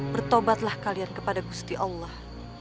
bertobatlah kalian kepada gusti allah